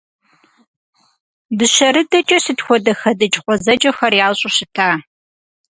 Дыщэрыдэкӏэ сыт хуэдэ хэдыкӏ гъуэзэджэхэр ящӏу щыта!